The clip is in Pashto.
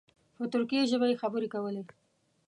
په ترکي ژبه یې خبرې کولې.